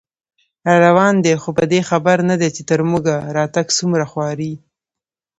راروان دی خو په دې خبر نه دی، چې تر موږه راتګ څومره خواري